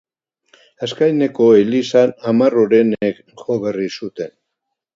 Azkaineko elizan hamar orenek jo berri zuten.